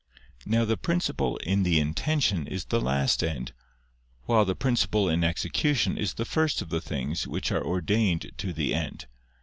Now the principle in the intention is the last end; while the principle in execution is the first of the things which are ordained to the end.